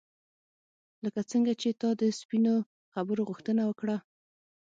لکه څنګه چې تا د سپینو خبرو غوښتنه وکړه.